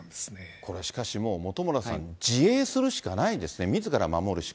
これしかしもう、本村さん、自衛するしかないんですね、みずから守るしか。